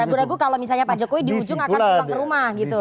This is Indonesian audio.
ragu ragu kalau misalnya pak jokowi di ujung akan pulang ke rumah gitu